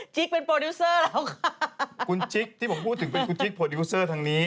เป็นโปรดิวเซอร์แล้วค่ะคุณจิ๊กที่ผมพูดถึงเป็นคุณจิ๊กโปรดิวเซอร์ทางนี้